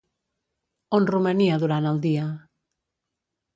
On romania durant el dia?